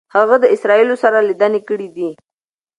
هغه د اسرائیلو سره لیدنې کړي دي.